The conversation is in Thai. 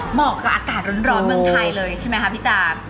เหมาะกับอากาศร้อนเมืองไทยเลยใช่ไหมคะพี่จ๋า